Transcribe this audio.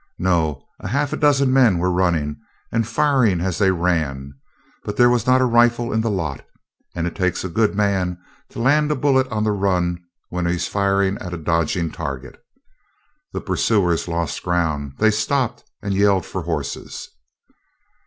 No, half a dozen men were running, and firing as they ran, but there was not a rifle in the lot, and it takes a good man to land a bullet on the run where he is firing at a dodging target. The pursuers lost ground; they stopped and yelled for horses.